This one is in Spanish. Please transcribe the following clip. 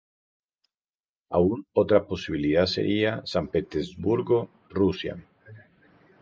Aún otra posibilidad sería San Petersburgo, Rusia.